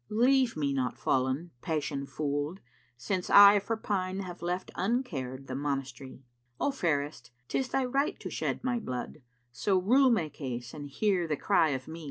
Leave me not fallen, passion fooled, since I * For pine have left uncared the Monast'ry: O Fairest, 'tis thy right to shed my blood, * So rue my case and hear the cry of me!"